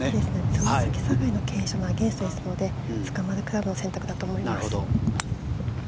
つま先下がりの傾斜のアゲンストですのでつかまるクラブの選択だと思います。